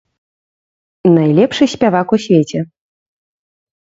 Найлепшы спявак у свеце.